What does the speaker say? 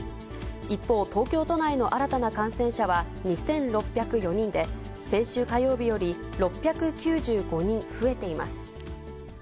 一方、東京都内の新たな感染者は２６０４人で、先週火曜日より６９５人増えています。